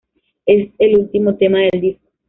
Es el último tema del disco.